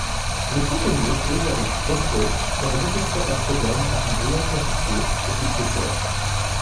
Les fontainiers posent avec respect leur désespérant problème à son brillant héritier et successeur.